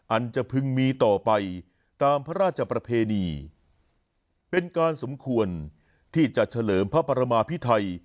อันจะพึงมีต่อไปตามพระราชประเพณีเป็นการสมควรที่จะเฉลิมพระปรมาพิไทย